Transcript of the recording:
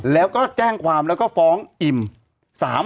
แล้วก็แจ้งความแล้วก็ฟ้องอิ่ม